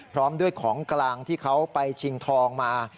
พร้อมด้วยของกลางที่เขาไปชิงทองมา